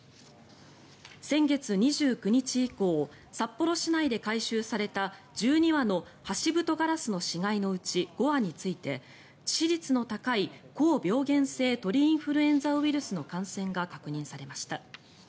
先月２９日以降札幌市内で回収された１２羽のハシブトガラスの死骸のうち５羽について致死率の高い高病原性鳥インフルエンザウイルスの感染が確認されました。